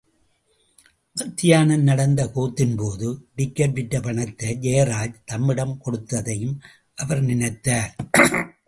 மத்தியானம் நடந்த கூத்தின்போது, டிக்கட் விற்ற பணத்தை ஜெயராஜ் தம்மிடம் கொடுத்ததையும் அவர் நினைத்தார்.